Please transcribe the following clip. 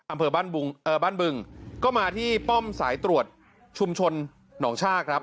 อำเภอบ้านบึงก็มาที่ป้อมสายตรวจชุมชนหนองชากครับ